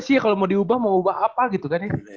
sih kalau mau diubah mau ubah apa gitu kan